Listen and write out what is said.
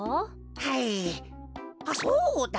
はいあっそうだ！